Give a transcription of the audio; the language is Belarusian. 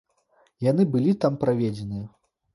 І яны былі там праведзеныя.